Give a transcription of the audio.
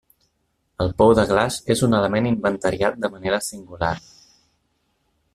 El pou de glaç és un element inventariat de manera singular.